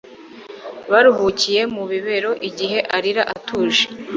Baruhukiye mu bibero igihe arira atuje